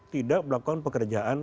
tidak melakukan pekerjaan